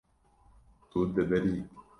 Tu dibirî.